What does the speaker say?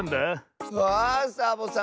うわあサボさん